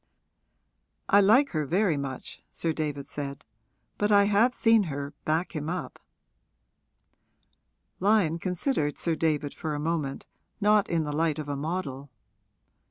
'I like her very much,' Sir David said, 'but I have seen her back him up.' Lyon considered Sir David for a moment, not in the light of a model.